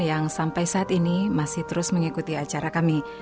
yang sampai saat ini masih terus mengikuti acara kami